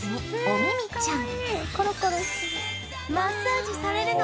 おみみちゃん